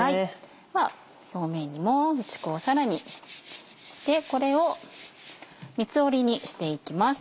では表面にも打ち粉をさらにしてこれを三つ折りにしていきます。